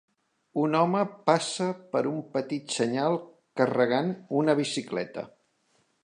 Un home passa per un petit senyal carregant una bicicleta